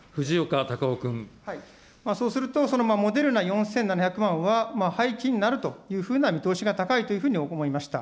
そうすると、そのモデルナ４７００万は廃棄になるというふうな見通しが高いというふうに思いました。